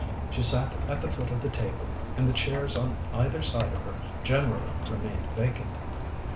She sat at the foot of the table, and the chairs on either side of her generally remained vacant.